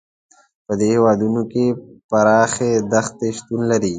په دې هېوادونو کې پراخې دښتې شتون لري.